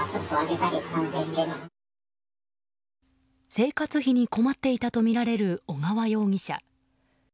生活費に困っていたとみられる小川容疑者。